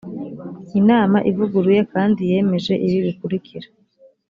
inama ivuguruye kandi yemeje ibi bikurikira